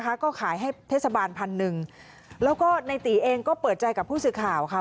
ก็ขายให้เทศบาลพันหนึ่งแล้วก็ในตีเองก็เปิดใจกับผู้สื่อข่าวค่ะ